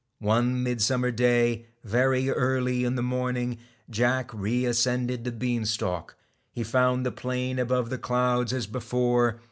One midsummer day, very early in the morning, Jack reascended the bean stalk. He found the plain above the clouds as before.